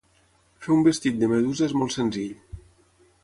Fer un vestit de medusa és molt senzill.